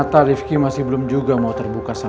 ternyata rifki masih belum juga mau terbuka sama aku